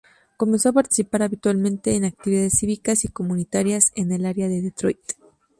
Comenzó a participar habitualmente en actividades cívicas y comunitarias en el área de Detroit.